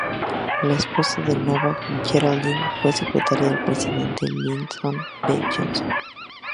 La esposa de Novak, Geraldine, fue secretaria del Presidente Lyndon B. Johnson.